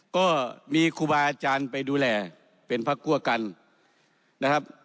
ก็มีครูบาอาจารย์ไปดูแลเป็นพระคั่วกันนะครับ